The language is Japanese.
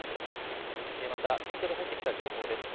また先ほど入ってきた情報です。